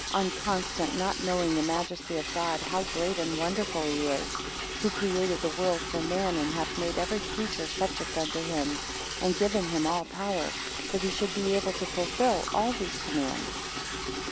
19 Unconstant, not knowing the majesty of God how great and wonderful he is; who created the world for man, and hath made every creature subject unto him; and given him all power, that he should be able to fulfil all these commands.